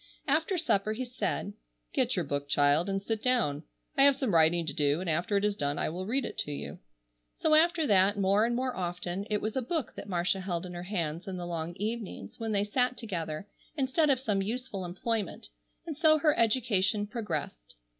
After supper he said: "Get your book, child, and sit down. I have some writing to do, and after it is done I will read it to you." So after that, more and more often, it was a book that Marcia held in her hands in the long evenings when they sat together, instead of some useful employment, and so her education progressed.